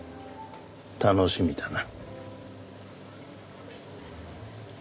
楽しみだな。